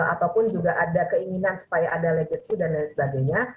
ataupun juga ada keinginan supaya ada legacy dan lain sebagainya